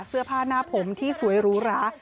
เสื้อผ้าหน้าผมที่สวยหรูหรา